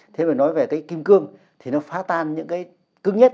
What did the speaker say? thế mà nói về cái kim cương thì nó phá tan những cái cứng nhất